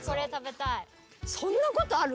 そんなことある？